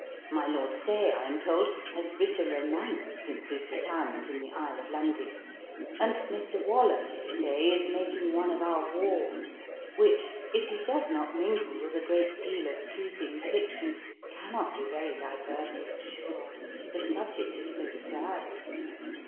My Lord Saye, I am told, has writ a romance since his retirement in the Isle of Lundy, and Mr. Waller, they say, is making one of our wars, which, if he does not mingle with a great deal of pleasing fiction, cannot be very diverting, sure, the subject is so sad.